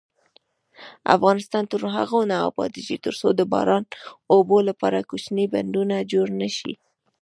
افغانستان تر هغو نه ابادیږي، ترڅو د باران اوبو لپاره کوچني بندونه جوړ نشي.